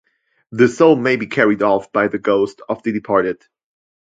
The soul may be carried off by the ghost of the departed.